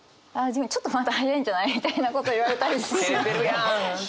ちょっとまだ早いんじゃない？みたいなこと言われたりしますね。